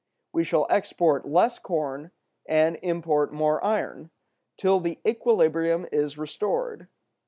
We shall export less corn and import more iron, till the equilibrium is restored.